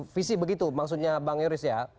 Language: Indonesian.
visi begitu maksudnya bang yoris ya